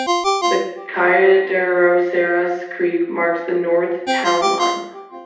The Kayaderosseras Creek marks the north town line.